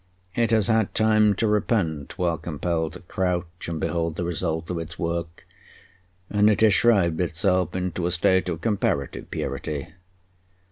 It has had time to repent while compelled to crouch and behold the result of its work, and it has shrived itself into a state of comparative purity.